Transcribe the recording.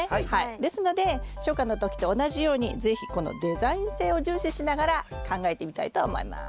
ですので初夏の時と同じように是非このデザイン性を重視しながら考えてみたいと思います。